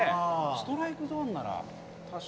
ストライクゾーンなら。